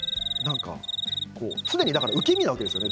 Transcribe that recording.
常に受け身なわけです。